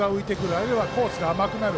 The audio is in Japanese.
あるいはコースが甘くなる。